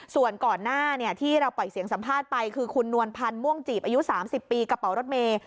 ส่วนก่อนหน้าที่เราปล่อยเสียงสัมภาษณ์ไปคือคุณนวลพันธ์ม่วงจีบอายุ๓๐ปีกระเป๋ารถเมย์